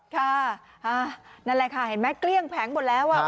ค่ะนั่นแหละค่ะเห็นไหมเกลี้ยงแผงหมดแล้ว